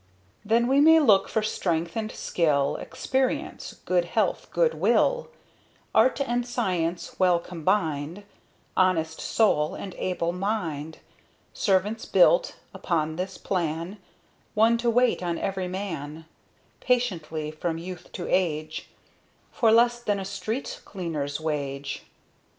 Then we may look for strength and skill, Experience, good health, good will, Art and science well combined, Honest soul and able mind, Servants built upon this plan, One to wait on every man, Patiently from youth to age, For less than a street cleaner's wage!